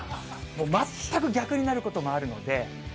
もう全く逆になることもあるので。